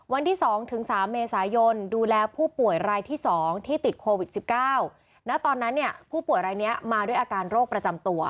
วันที่๒ถึง๓เมษายนดูแลผู้ป่วยรายที่๒ที่ติดโควิด๑๙ณตอนนั้นเนี่ยผู้ป่วยรายนี้มาด้วยอาการโรคประจำตัว